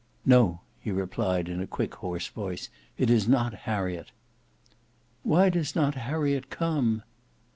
"No!" he replied in a quick hoarse voice, "it is not Harriet." "Why does not Harriet come?"